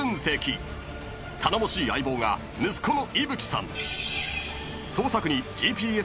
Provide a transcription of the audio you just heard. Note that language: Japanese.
［頼もしい相棒が息子の伊吹さん］